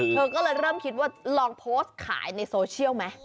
เธอก็เลยเริ่มคิดว่าลองโพสต์ขายในโซเชียลไหม